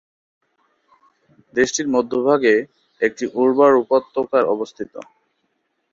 দেশটির মধ্যভাগে একটি উর্বর উপত্যকা অবস্থিত।